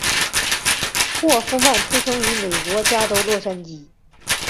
霍夫曼出生于美国加州洛杉矶。